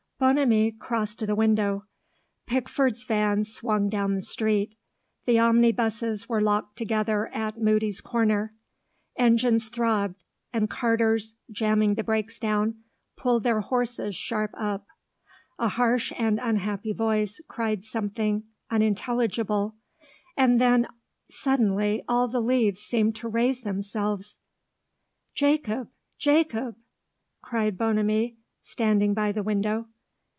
Bonamy crossed to the window. Pickford's van swung down the street. The omnibuses were locked together at Mudie's corner. Engines throbbed, and carters, jamming the brakes down, pulled their horses sharp up. A harsh and unhappy voice cried something unintelligible. And then suddenly all the leaves seemed to raise themselves. "Jacob! Jacob!" cried Bonamy, standing by the window.